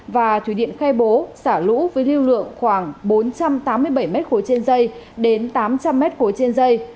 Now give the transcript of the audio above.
và thủy điện khai bố sả lũ với lưu lượng khoảng bốn trăm tám mươi bảy m khối trên dây đến tám trăm linh m khối trên dây